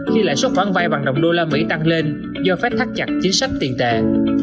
khi lãi xuất khoản vay bằng nồng đô la mỹ tăng lên do fed thắt chặt chính sách tiền tài